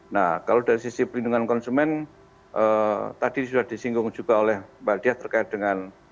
nah kalau dari sisi perlindungan konsumen tadi sudah disinggung juga oleh mbak diah terkait dengan